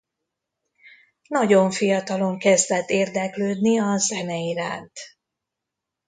Nagyon fiatalon kezdett érdeklődni a zene iránt.